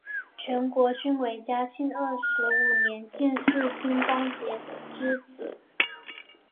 金国均为嘉庆二十五年进士金光杰之子。